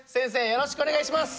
よろしくお願いします！